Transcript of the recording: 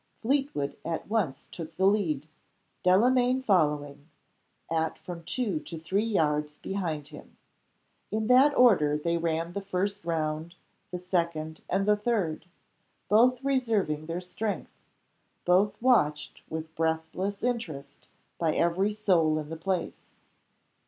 Fleetwood at once took the lead, Delamayn following, at from two to three yards behind him. In that order they ran the first round, the second, and the third both reserving their strength; both watched with breathless interest by every soul in the place.